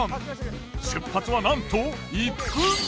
出発はなんと１分後。